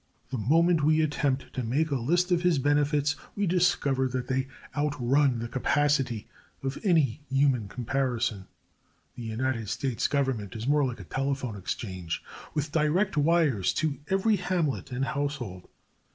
The moment we attempt to make a list of his benefits we discover that they outrun the capacity of any human comparison. The United States Government is more like a telephone exchange, with direct wires to every hamlet and household.